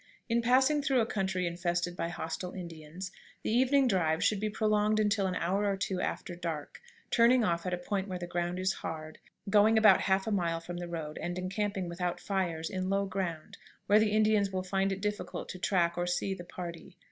In passing through a country infested by hostile Indians, the evening drive should be prolonged until an hour or two after dark, turning off at a point where the ground is hard, going about half a mile from the road, and encamping without fires, in low ground, where the Indians will find it difficult to track or see the party.